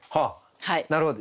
なるほど。